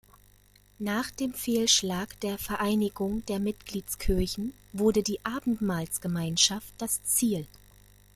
Nach dem Fehlschlag der Vereinigung der Mitgliedskirchen wurde die Abendmahlsgemeinschaft das Ziel.